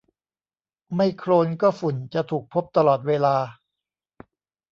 ไม่โคลนก็ฝุ่นจะถูกพบตลอดเวลา